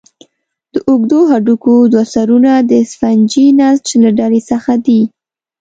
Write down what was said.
د اوږدو هډوکو دوه سرونه د سفنجي نسج له ډلې څخه دي.